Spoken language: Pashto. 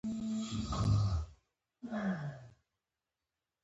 امیر شېر علي خان تر مرګه موافقه ورسره ونه کړه.